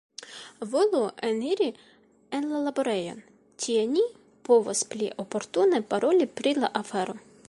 Volu eniri en la laborejon; tie ni povos pli oportune paroli pri la afero.